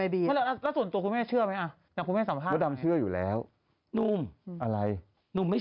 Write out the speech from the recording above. บอกว่ามีนั่งมนุษย์ต่างดาวอ่ะผมเชียวว่ามี